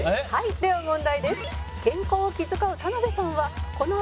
では問題です」